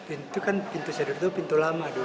itu kan pintu sederhana pintu lama di rumah